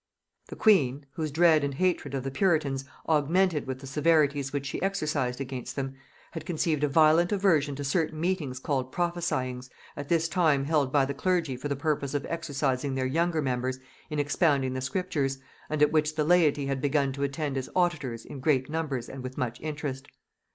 The queen, whose dread and hatred of the puritans augmented with the severities which she exercised against them, had conceived a violent aversion to certain meetings called prophesyings, at this time held by the clergy for the purpose of exercising their younger members in expounding the Scriptures, and at which the laity had begun to attend as auditors in great numbers and with much interest.